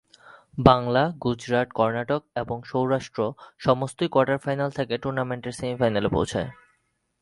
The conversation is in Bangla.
বাংলা, গুজরাট, কর্ণাটক এবং সৌরাষ্ট্র সমস্তই কোয়ার্টার ফাইনাল থেকে টুর্নামেন্টের সেমিফাইনালে পৌঁছায়।